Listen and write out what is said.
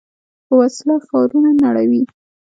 وسله ښارونه نړوي